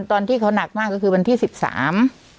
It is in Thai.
ตอนที่เขาหนักมากก็คือวันที่สิบสาม